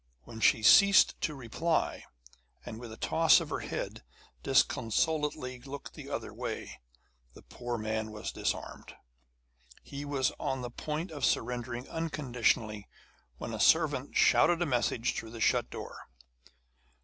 When she ceased to reply, and with a toss of her head disconsolately looked the other way, the poor man was disarmed. He was on the point of surrendering unconditionally when a servant shouted a message through the shut door.